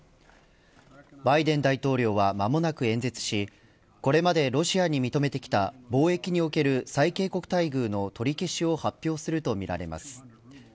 バイデン大統領は間もなく演説しこれまでロシアに認めてきた貿易における最恵国待遇の取り消しを発表するとみられます。